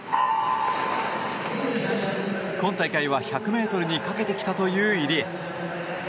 今大会は、１００ｍにかけてきたという入江。